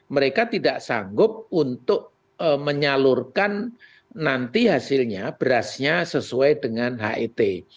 mereka tidak sanggup untuk menyalurkan nanti hasilnya berasnya sesuai dengan het